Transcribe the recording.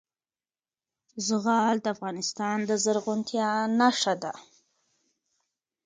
زغال د افغانستان د زرغونتیا نښه ده.